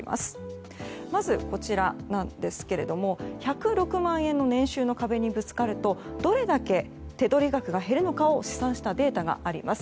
まず、１０６万円の年収の壁にぶつかるとどれだけ手取り額が減るのかを試算したデータがあります。